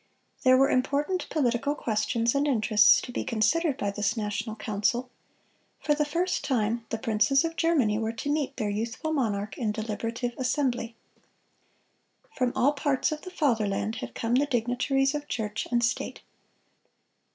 There were important political questions and interests to be considered by this national council; for the first time the princes of Germany were to meet their youthful monarch in deliberative assembly. From all parts of the fatherland had come the dignitaries of church and state.